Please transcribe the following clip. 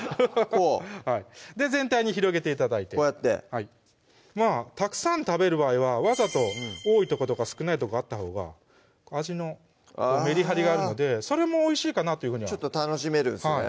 こう全体に広げて頂いてこうやってたくさん食べる場合はわざと多いとことか少ないとこあったほうが味のメリハリがあるのでそれもおいしいかなというふうにちょっと楽しめるんですね